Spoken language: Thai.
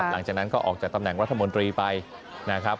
หลังจากนั้นก็ออกจากตำแหน่งรัฐมนตรีไปนะครับ